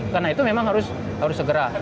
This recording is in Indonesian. karena itu memang harus segera